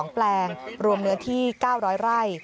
แปลงรวมเนื้อที่๙๐๐ไร่